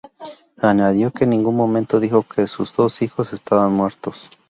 Añadió que en ningún momento dijo que sus dos hijos estaban muertos.